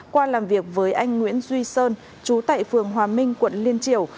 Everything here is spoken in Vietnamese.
qua làm việc với anh nguyễn duy sơn trú tại phường hòa minh quận liên triều